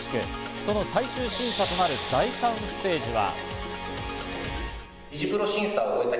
その最終審査となる第３ステージは。